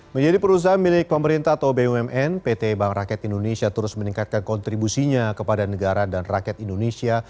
menjadi perusahaan milik pemerintah atau bumn pt bank rakyat indonesia terus meningkatkan kontribusinya kepada negara dan rakyat indonesia